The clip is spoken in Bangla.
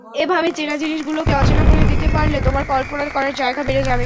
এভাবে চেনা জিনিসগুলোকে অচেনা করে দিতে পারলে তোমার কল্পনা করার জায়গা বেড়ে যাবে।